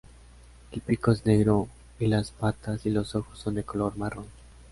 El pico es negro y las patas y los ojos son de color marrón.